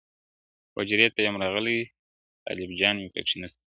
حجرې ته یم راغلې طالب جان مي پکښي نسته!.